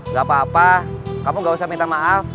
nggak apa apa kamu gak usah minta maaf